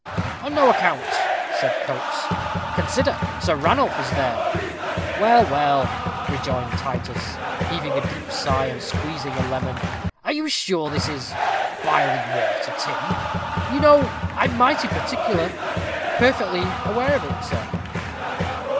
"On no account," said Coates. "Consider, Sir Ranulph is there." "Well, well," rejoined Titus, heaving a deep sigh, and squeezing a lemon; "are you sure this is biling water, Tim? You know, I'm mighty particular." "Perfectly aware of it, sir."